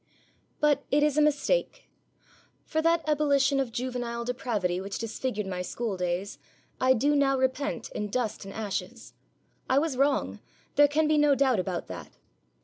But it is a mistake. For that ebullition of juvenile depravity which disfigured my school days I do now repent in dust and ashes. I was wrong; there can be no doubt about that.